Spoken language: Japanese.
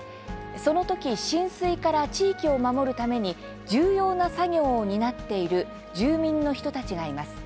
その時、浸水から地域を守るために重要な作業を担っている住民の人たちがいます。